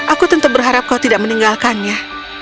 aku tentu berharap kau tidak meninggalkannya